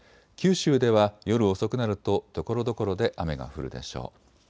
九州では夜遅くなるとところどころで雨が降るでしょう。